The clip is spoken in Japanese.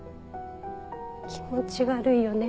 「気持ち悪いよね」